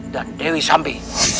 dan dewi sambi